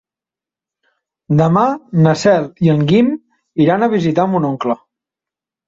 Demà na Cel i en Guim iran a visitar mon oncle.